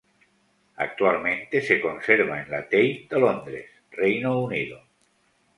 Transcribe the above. Actualmente se conserva en la Tate de Londres, Reino Unido.